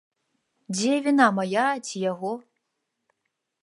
Дзе віна мая ці яго?